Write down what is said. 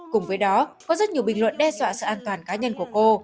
cùng với đó có rất nhiều bình luận đe dọa sự an toàn cá nhân của cô